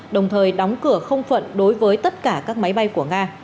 đồng thời đóng cửa không phận đối với tất cả các máy bay của nga